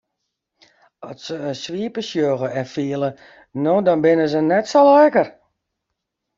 At se in swipe sjogge en fiele no dan binne se net sa lekker.